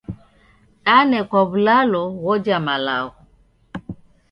Danekwa w'ulalo ghoja malagho.